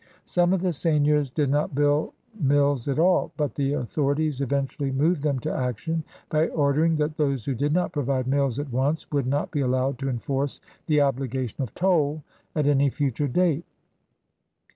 Some of the seigneurs did not build mills at all, but the authori ties eventually moved them to action by ordering that those who did not provide mills at once would not be allowed to enforce the obligation of toll at any future date.